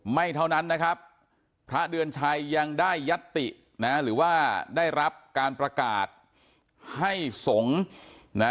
ไม่เท่านั้นนะครับพระเดือนชัยยังได้ยัตตินะหรือว่าได้รับการประกาศให้สงฆ์นะ